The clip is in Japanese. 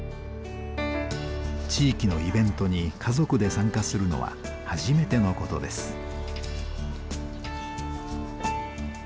地域のイベントに家族で参加するのは初めてのことです。